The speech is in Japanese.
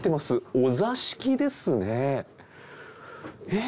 お座敷ですね。